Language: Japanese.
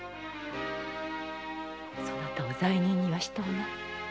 そなたを罪人にはしとうない。